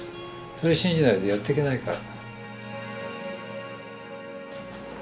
それ信じないとやっていけないから。